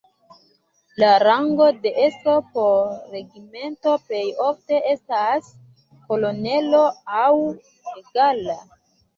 La rango de estro por regimento plej ofte estas kolonelo aŭ egala.